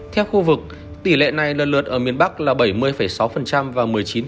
theo khu vực tỷ lệ này lần lượt ở miền bắc là bảy mươi sáu và một mươi chín